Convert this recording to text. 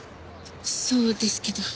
そうですけど。